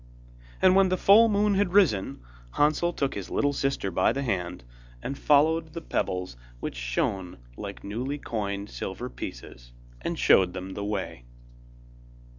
And when the full moon had risen, Hansel took his little sister by the hand, and followed the pebbles which shone like newly coined silver pieces, and showed them the way.